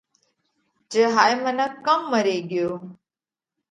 جي هائي منک ڪم مري ڳيو؟ ُ